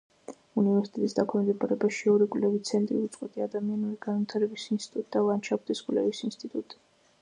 უნივერსიტეტის დაქვემდებარებაშია ორი კვლევითი ცენტრი: უწყვეტი ადამიანური განვითარების ინსტიტუტი და ლანდშაფტის კვლევის ინსტიტუტი.